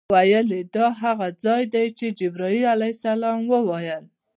ویل یې دا هغه ځای دی چې جبرائیل علیه السلام وویل.